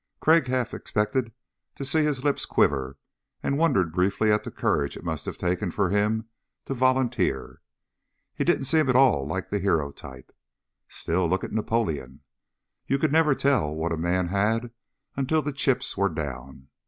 Crag half expected to see his lips quiver, and wondered briefly at the courage it must have taken for him to volunteer. He didn't seem at all like the hero type. Still, look at Napoleon. You could never tell what a man had until the chips were down.